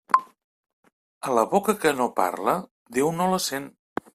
A la boca que no parla, Déu no la sent.